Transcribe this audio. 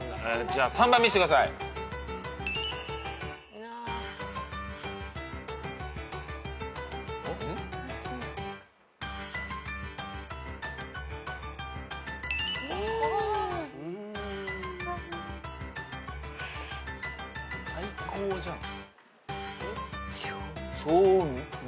じゃあ３番見してください。最高じゃん。ＯＫ！